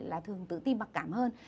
là thường tự tin bặc cảm hơn